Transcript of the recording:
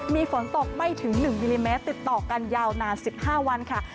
มีฝนตกไม่ถึงหนึ่งยิมเมตรติดต่อกันยาวนานสิบห้าวันค่ะ